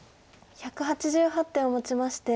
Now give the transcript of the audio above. １８８手をもちまして